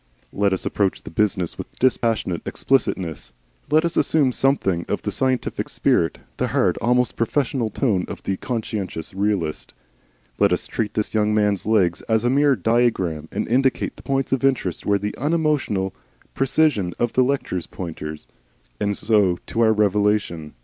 Let us approach the business with dispassionate explicitness. Let us assume something of the scientific spirit, the hard, almost professorial tone of the conscientious realist. Let us treat this young man's legs as a mere diagram, and indicate the points of interest with the unemotional precision of a lecturer's pointer. And so to our revelation.